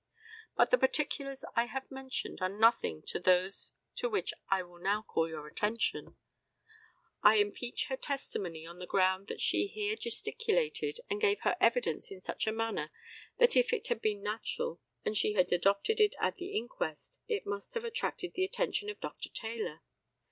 But the particulars I have mentioned are nothing to those to which I will now call your attention. I impeach her testimony on the ground that she here gesticulated and gave her evidence in such a manner that if it had been natural and she had adopted it at the inquest it must have attracted the attention of Dr. Taylor.